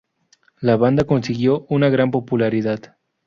La banda consiguió una gran popularidad.